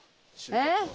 えっ？